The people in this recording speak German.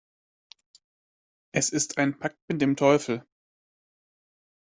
Es ist ein Pakt mit dem Teufel.